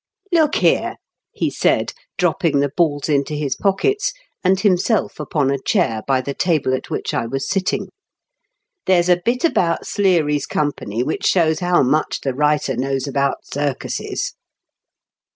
"Look here,'* he said, dropping the balls into his pockets, and himself upon a chair by the table at which I was sitting, "there's a bit about Sleary's company which shows how much the writer knows about circuses."